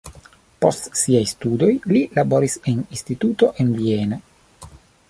Post siaj studoj li laboris en instituto en Vieno.